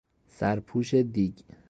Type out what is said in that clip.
سر پوش دیگ